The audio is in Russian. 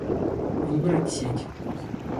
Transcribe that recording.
Выбрать сеть